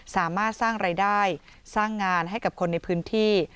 สามารถสร้างรายได้สร้างงานให้กับคนในพื้นที่